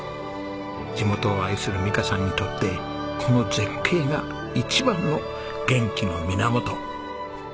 地元を愛する美香さんにとってこの絶景が一番の元気の源。